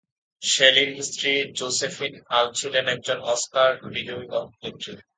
শেলির স্ত্রী Josephine Hull ছিলেন একজন অস্কার বিজয়ী অভিনেত্রী।